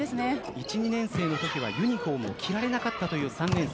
１、２年生のときはユニホームを着られなかったという３年生。